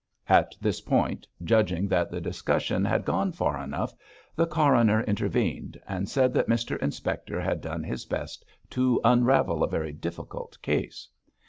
At this point, judging that the discussion had gone far enough, the coroner intervened and said that Mr Inspector had done his best to unravel a very difficult case.